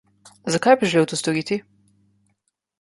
Zakaj bi to želel storiti?